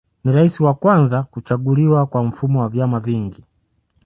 Na rais wa kwanza kuchaguliwa kwa mfumo wa vyama vingi